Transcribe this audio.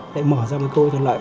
lại mở ra một câu thuận lợi